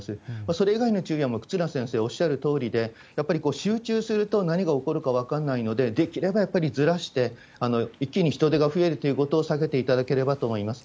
それ以外については、忽那先生おっしゃるとおりで、やっぱり集中すると何が起こるか分からないので、できればやっぱりずらして、一気に人出が増えるということを避けていただければと思います。